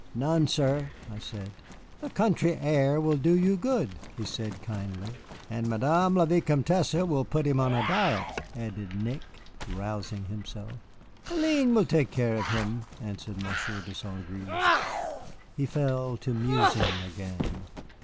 "None, sir," I said. "The country air will do you good," he said kindly. "And Madame la Vicomtesse will put him on a diet," added Nick, rousing himself. "Hélène will take care of him," answered Monsieur de St. Gré. He fell to musing again.